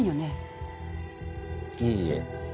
いえいえ。